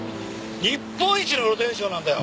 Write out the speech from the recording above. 日本一の露天商なんだよ。